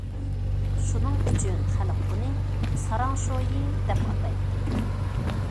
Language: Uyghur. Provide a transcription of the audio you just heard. شۇنىڭ ئۈچۈن، خەلق ئۇنى« ساراڭ شويى» دەپ ئاتايتتى.